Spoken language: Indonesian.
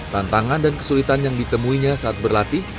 tantangan dan kesulitan yang ditemuinya saat berlatih